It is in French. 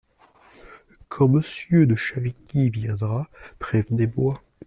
Quand Monsieur de Chavigny viendra, prévenez-moi.